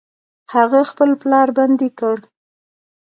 هغه خپل پلار بندي کړ.